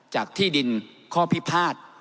จากที่ดินข้อพิพาท